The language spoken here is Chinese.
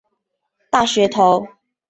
大学头。